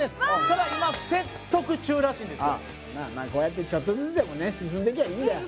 ただ今説得中らしいんですよああまあまあこうやってちょっとずつでもね進んでいきゃあいいんだよ